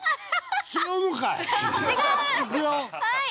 違うのかい？